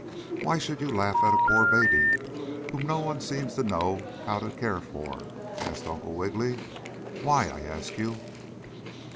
"Why should you laugh at a poor baby, whom no one seems to know how to care for?" asked Uncle Wiggily. "Why, I ask you?"